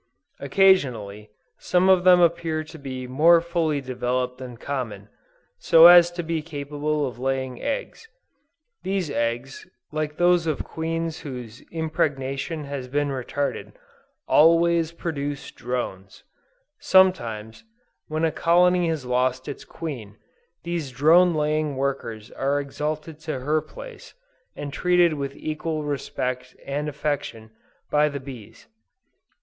Occasionally, some of them appear to be more fully developed than common, so as to be capable of laying eggs: these eggs, like those of Queens whose impregnation has been retarded, always produce drones! Sometimes, when a colony has lost its Queen, these drone laying workers are exalted to her place, and treated with equal respect and affection, by the bees.